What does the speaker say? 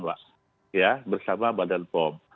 pak ya bersama bpom